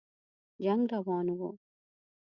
جنګ روان وو.